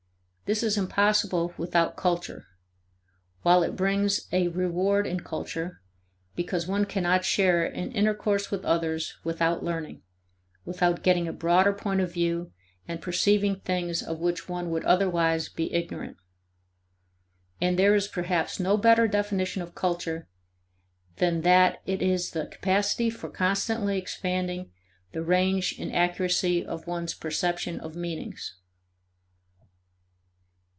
This is impossible without culture, while it brings a reward in culture, because one cannot share in intercourse with others without learning without getting a broader point of view and perceiving things of which one would otherwise be ignorant. And there is perhaps no better definition of culture than that it is the capacity for constantly expanding the range and accuracy of one's perception of meanings.